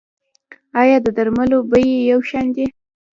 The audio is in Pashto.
آیا د درملو بیې یو شان دي؟